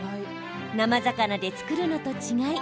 生魚で作るのと違い